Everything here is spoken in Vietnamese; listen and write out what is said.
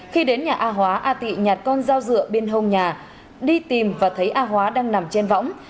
khi đến nhà a hóa a tị nhạt con dao dựa bên hông nhà đi tìm và thấy a hóa đang nằm trên võng